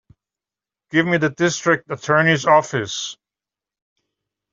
Give me the District Attorney's office.